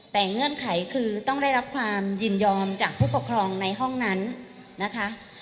แต่เงื่อนไขคือต้องได้รับความยินยอมจากผู้ปกครองในห้องนั้นนะคะ